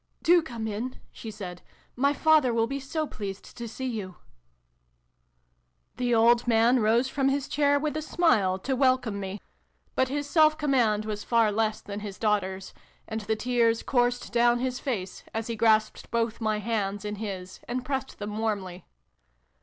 " Do come in," she said. " My father will be so pleased to see you !" The old man rose from his chair, with a smile, to welcome me ; but his self command was far less than his daughter's, and the tears coursed down his face as he grasped both my hands in his, and pressed them warmly.